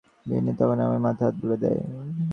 বিনু তখন আমার মাথায় হাত বুলিয়ে দেয়।